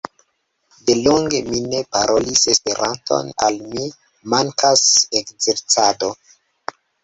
De longe mi ne parolis Esperanton, al mi mankas ekzercado.